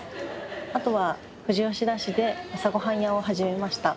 あとは富士吉田市で朝ごはん屋を始めました。